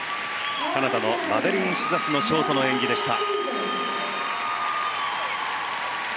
カナダのマデリーン・シザスのショートの演技でした。